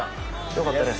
よかったです。